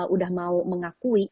udah mau mengakui